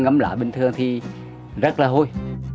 ngắm lá bình thường thì rất là hôi